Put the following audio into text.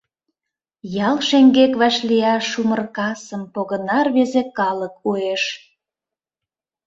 Ял шеҥгек вашлияш умыр касым Погына рвезе калык уэш.